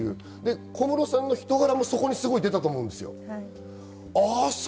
小室さんの人柄もすごく出ていたと思うんですよ。